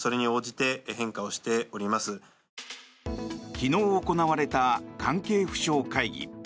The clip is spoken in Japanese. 昨日行われた関係府省会議。